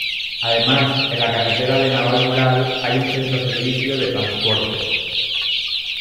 Además, en la carretera de Navalmoral hay un Centro Servicio de Transportes.